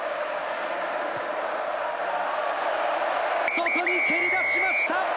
外に蹴り出しました。